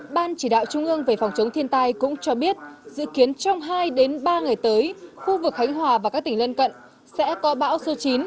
ban chỉ đạo trung ương về phòng chống thiên tai cũng cho biết dự kiến trong hai ba ngày tới khu vực khánh hòa và các tỉnh lân cận sẽ có bão số chín